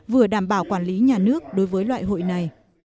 vừa đảm bảo quản lý nhà nước đối với loại hội này